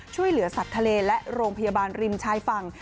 ช่วยเหลือสัตว์ทะเลและโรงพยาบาลริมชายฝั่ง